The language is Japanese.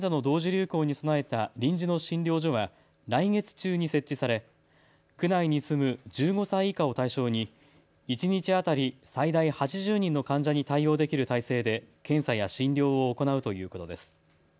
流行に備えた臨時の診療所は来月中に設置され区内に住む１５歳以下を対象に一日当たり最大８０人の患者に対応できる体制で検査や診療を行うということです。